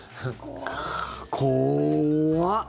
怖っ！